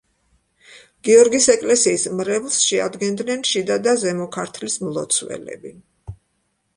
გიორგის ეკლესიის მრევლს შეადგენდნენ შიდა და ზემო ქართლის მლოცველები.